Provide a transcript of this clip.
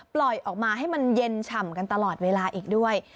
ปล่อยออกมาให้มันเย็นฉ่ำกันตลอดเวลาอีกด้วย